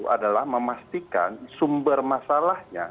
adalah memastikan sumber masalahnya